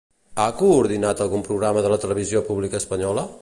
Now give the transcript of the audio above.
Ha coordinat algun programa de la televisió pública espanyola?